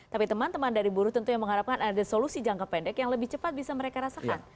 tapi teman teman dari buruh tentunya mengharapkan ada solusi jangka pendek yang lebih cepat bisa mereka rasakan